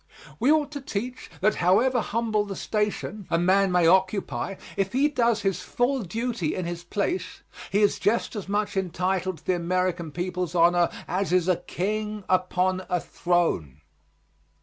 We ought to teach that however humble the station a man may occupy, if he does his full duty in his place, he is just as much entitled to the American people's honor as is a king upon a throne.